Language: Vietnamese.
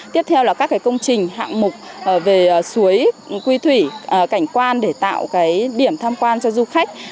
tiếp theo là các công trình hạng mục về suối quy thủy cảnh quan để tạo điểm tham quan cho du khách